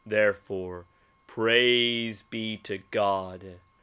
Therefore Praise be to God